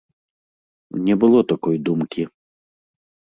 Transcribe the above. Не было такой думкі.